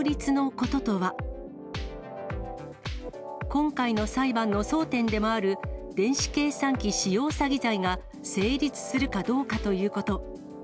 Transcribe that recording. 今回の裁判の争点でもある電子計算機使用詐欺罪が成立するかどうかということ。